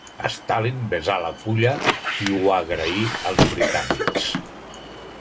Stalin besà la fulla i ho agraí als britànics.